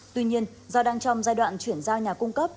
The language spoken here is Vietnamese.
tuy nhiên do đang trong giai đoạn chuyển giao nhà cung cấp